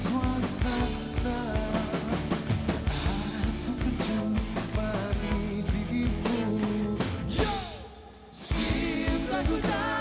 yang sedikit melupakanku